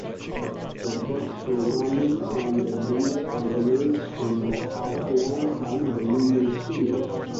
Networked programming on The Breeze originates from the Auckland and Wellington studios.